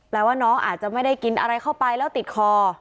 ว่าน้องอาจจะไม่ได้กินอะไรเข้าไปแล้วติดคอ